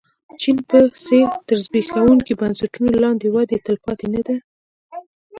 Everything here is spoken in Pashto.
چین په څېر تر زبېښونکو بنسټونو لاندې وده تلپاتې نه ده.